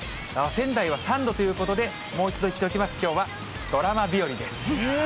仙台は３度ということで、もう一度、言っておきます、きょうはドラマ日和です。